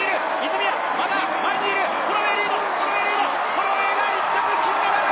ホロウェイが１着金メダル！